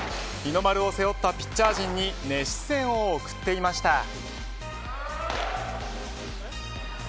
日の丸を背負ったピッチャー陣に熱視線を送っていました。